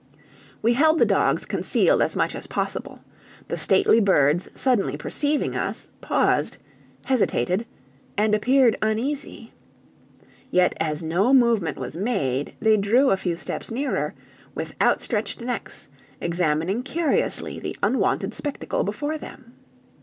We held the dogs concealed as much as possible; the stately birds suddenly perceiving us, paused, hesitated, and appeared uneasy. Yet as no movement was made, they drew a few steps nearer, with outstretched necks, examining curiously the unwonted spectacle before them.